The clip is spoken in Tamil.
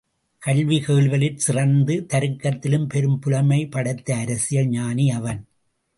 கல்வி கேள்விகளிற் சிறந்து தருக்கத்திலும் பெரும் புலமை படைத்த அரசியல் ஞானி அவன்.